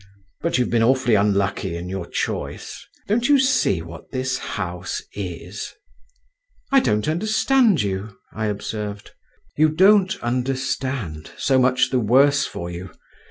But you've been awfully unlucky in your choice. Don't you see what this house is?" "I don't understand you," I observed. "You don't understand? so much the worse for you.